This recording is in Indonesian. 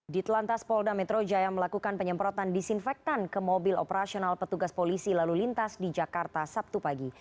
di telantas polda metro jaya melakukan penyemprotan disinfektan ke mobil operasional petugas polisi lalu lintas di jakarta sabtu pagi